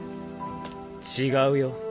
違うよ。